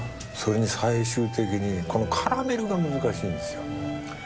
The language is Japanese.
それに最終的にこのカラメルが難しいんですよ。